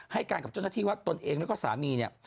ให้การกับเจ้าหน้าที่ว่าตนเองแล้วก็สามีเนี่ย